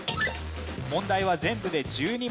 問題は全部で１２問。